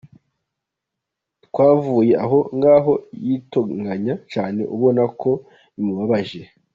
Twavuye aho ngaho yitonganya cyane ubona ko bimubabaje.